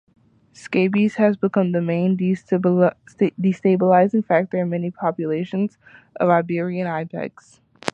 Scabies has become the main destabilizing factor in many populations of Iberian ibex.